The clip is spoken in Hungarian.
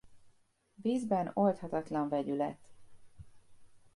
Vízben oldhatatlan vegyület.